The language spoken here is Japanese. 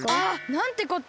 なんてこった！